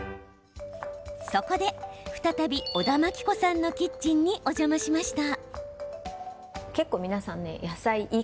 そこで、再び小田真規子さんのキッチンにお邪魔しました。